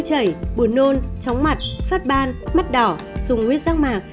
sốt chảy buồn nôn chóng mặt phát ban mắt đỏ dùng huyết rác mạc